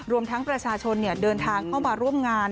รวมทั้งประชาชนเดินทางเข้ามาร่วมงาน